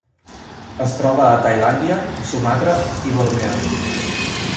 Es troba a Tailàndia, Sumatra i Borneo.